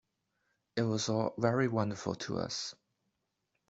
It was all very wonderful to us.